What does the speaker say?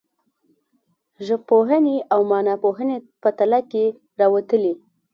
ژبپوهنې او معناپوهنې په تله کې راوتلي.